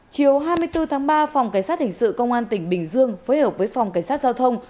chiều hai mươi bốn tháng ba phòng cảnh sát hình sự công an tỉnh bình dương phối hợp với phòng cảnh sát giao thông